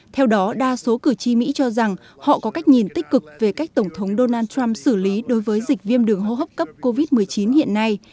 theo đó đa số cử tri mỹ cho rằng họ có cách nhìn tích cực về cách tổng thống donald trump xử lý đối với dịch viêm đường hô hấp cấp covid một mươi chín hiện nay